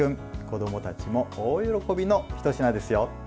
子どもたちも大喜びのひと品ですよ。